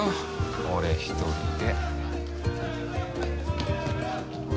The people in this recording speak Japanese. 俺１人で。